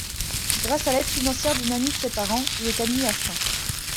Grâce à l'aide financière d'une amie de ses parents, il est admis à St.